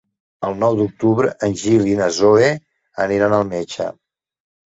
El nou d'octubre en Gil i na Zoè aniran al metge.